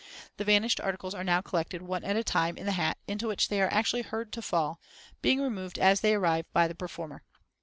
The vanished articles are now collected, one at a time, in the hat, into which they are actually heard to fall, being removed as they arrive by the performer.